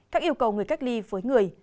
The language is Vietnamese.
các yêu cầu người cách ly với người